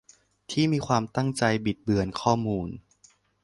ที่มีความตั้งใจบิดเบือนข้อมูล